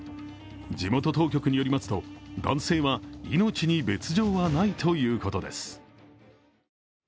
地元当局によりますと男性は命に別状はないということです。